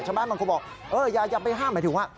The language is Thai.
ชาวบ้านมันคงบอกอย่าไปห้ามไม่ถึงว่า